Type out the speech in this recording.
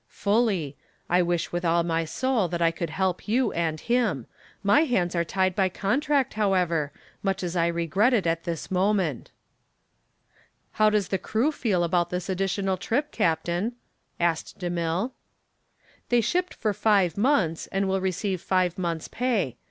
"Fully. I wish with all my soul that I could help you and him. My hands are tied by contract, however, much as I regret it at this moment." "How does the crew feel about this additional trip, captain?" asked DeMille. "They shipped for five months and will receive five months' pay.